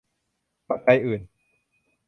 ปัจจัยอื่น